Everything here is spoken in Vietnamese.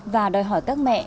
và đòi hỏi các mẹ